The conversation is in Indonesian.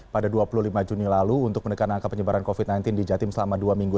pada dua puluh lima juni lalu untuk menekan angka penyebaran covid sembilan belas di jatim selama dua minggu